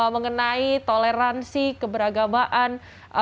mengenai toleransi keberagamaan